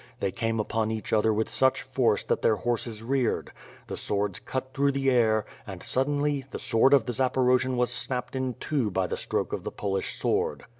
They came upon each other with such force that their horses reared. The swords cut through the air and, suddenly, the sword of the Zaporojian was snapped in two by the stroke of the Polish sword.